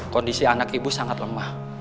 kondisi anak ibu sangat lemah